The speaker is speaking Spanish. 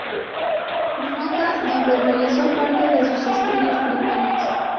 Roca, donde realizó parte de sus estudios primarios.